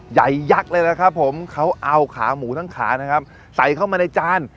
ยักษ์เลยนะครับผมเขาเอาขาหมูทั้งขานะครับใส่เข้ามาในจาน